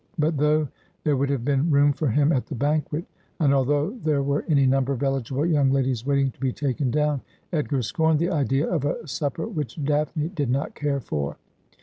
But though there would have been room for him at the banquet, and although there were any number of eligible young ladies wait ing to be taken down, Edgar scorned the idea of a supper which Daphne did not care for.